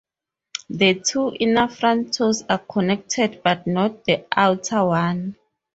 The two inner front toes are connected, but not the outer one.